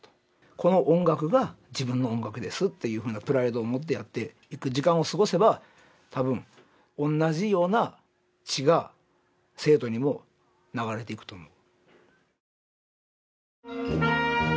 この音楽が自分の音楽ですっていうふうなプライドを持ってやっていく時間を過ごせばたぶん同じような血が生徒にも流れていくと思う。